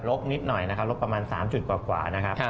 กนิดหน่อยนะครับลบประมาณ๓จุดกว่านะครับ